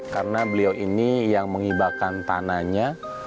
karena beliau ini yang menghibahkan tanahnya